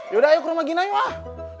ya udah ayo ke rumah gina yuk wak